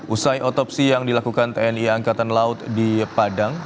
usai otopsi yang dilakukan tni angkatan laut di padang